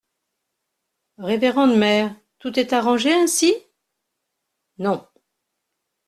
Révérende mère, tout est arrangé ainsi ? Non.